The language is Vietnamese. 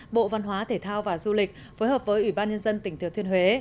bộ văn hóa thể thao và du lịch phối hợp với ủy ban nhân dân tỉnh thừa thiên huế